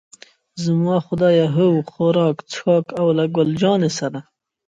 زما خدایه، هو، خوراک، څښاک او له ګل جانې سره.